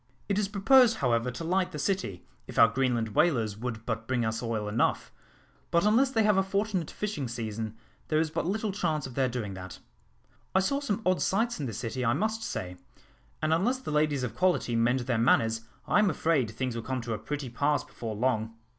It is proposed, however, to light the city, if our Greenland whalers would but bring us oil enough; but unless they have a fortunate fishing season, there is but little chance of their doing that. I saw some odd sights in the city, I must say; and unless the ladies of quality mend their manners, I am afraid things will come to a pretty pass before long."